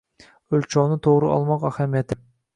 O‘lchovni to‘g‘ri olmoq ahamiyati